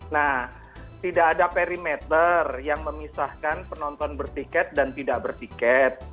nah tidak ada perimeter yang memisahkan penonton bertiket dan tidak bertiket